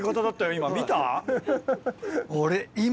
今見た？